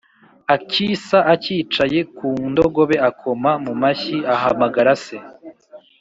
Akisa acyicaye ku ndogobe akoma mu mashyi ahamagara se.